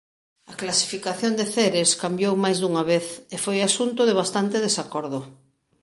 A clasificación de Ceres cambiou máis dunha vez e foi asunto de bastante desacordo.